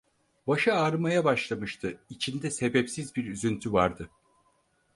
Başı ağrımaya başlamıştı, içinde sebepsiz bir üzüntü vardı.